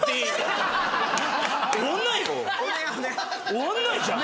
終わんないじゃん。